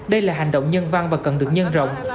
đây là hành động nhân văn và cần được nhân rộng